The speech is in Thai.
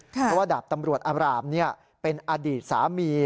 เพราะว่าดาบตำรวจอารามเป็นอดีตสามี